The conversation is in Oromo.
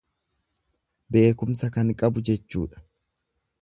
Beekumsa kan qabu jechuudha.